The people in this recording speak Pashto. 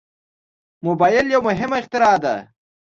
موبایل یو مهم اختراع ده.